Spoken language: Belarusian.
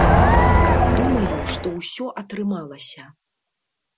Думаю, што ўсё атрымалася.